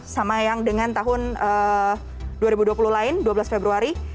sama yang dengan tahun dua ribu dua puluh lain dua belas februari